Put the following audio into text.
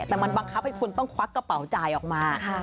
แต่มันบังคับให้คุณต้องควักกระเป๋าจ่ายออกมา